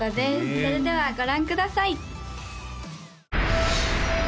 それではご覧ください